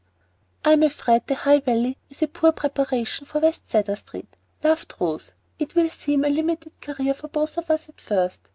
"I am afraid the High Valley is a poor preparation for West Cedar Street," laughed Rose. "It will seem a limited career to both of us at first.